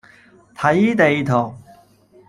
睇地圖